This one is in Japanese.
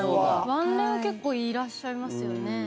ワンレンは結構いらっしゃいますよね。